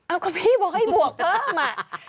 เอาก็พี่บอกให้บวกเพิ่มอ่ะ